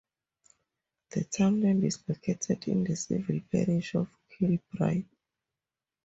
The townland is located in the civil parish of Kilbride.